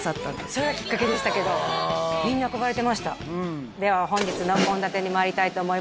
それがきっかけでしたけどみんな憧れてましたでは本日の献立にまいりたいと思います